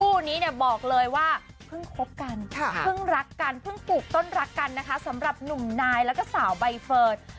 คู่นี้เนี่ยบอกเลยว่าเพิ่งคบกันเพิ่งรักกันเพิ่งปลูกต้นรักกันนะคะสำหรับหนุ่มนายแล้วก็สาวใบเฟิร์น